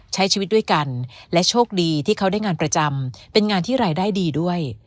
ใช้ชีวิตด้วยกันและโชคดีที่เขาได้งานประจำเป็นงานที่รายได้ดีด้วย